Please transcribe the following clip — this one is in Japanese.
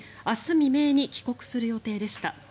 未明に帰国する予定でした。